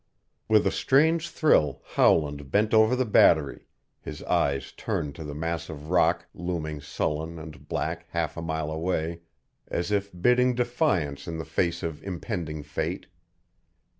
With a strange thrill Howland bent over the battery, his eyes turned to the mass of rock looming sullen and black half a mile away, as if bidding defiance in the face of impending fate.